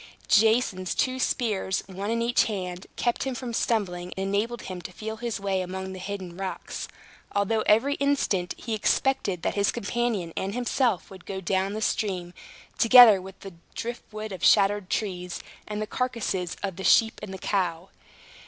Jason's two spears, one in each hand, kept him from stumbling, and enabled him to feel his way among the hidden rocks; although every instant, he expected that his companion and himself would go down the stream, together with the driftwood of shattered trees, and the carcasses of the sheep and cow.